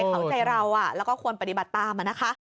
เขาใจเราแล้วก็ควรปฏิบัติตามนะคะ